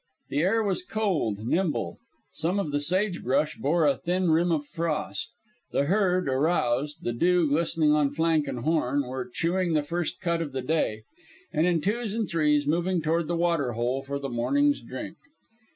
The air was cold, nimble. Some of the sage brush bore a thin rim of frost. The herd, aroused, the dew glistening on flank and horn, were chewing the first cud of the day, and in twos and threes moving toward the water hole for the morning's drink.